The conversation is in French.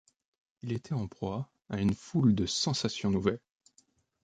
Il était en proie à une foule de sensations nouvelles.